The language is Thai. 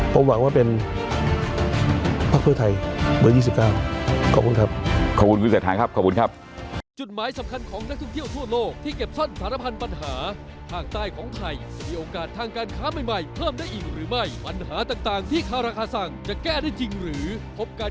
ผมหวังว่าเป็นภักดิ์เพื่อไทยเบอร์๒๙